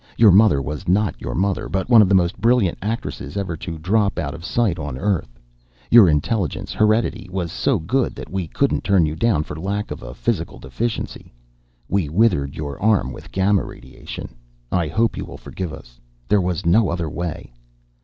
Your mother was not your mother but one of the most brilliant actresses ever to drop out of sight on Earth. Your intelligence heredity was so good that we couldn't turn you down for lack of a physical deficiency. We withered your arm with gamma radiation. I hope you will forgive us. There was no other way.